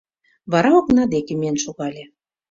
Вара окна деке миен шогале.